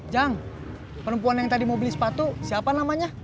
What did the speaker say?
jang perempuan yang tadi mau beli sepatu siapa namanya